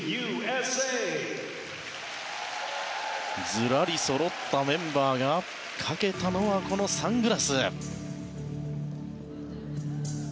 ずらりそろったメンバーがかけたのは、このサングラス。